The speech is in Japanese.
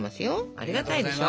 ありがたいでしょ？